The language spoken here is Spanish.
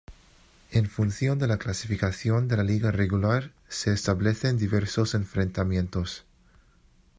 En función de la clasificación de la liga regular se establecen diversos enfrentamientos.